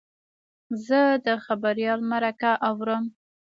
زه د خبریال مرکه اورم.